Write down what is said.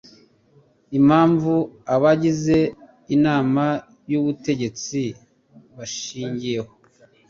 impamvu abagize Inama y Ubutegetsi bashingiyeho